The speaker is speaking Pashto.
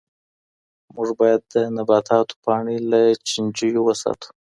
موږ باید د نباتاتو پاڼې له چنجیو وساتو.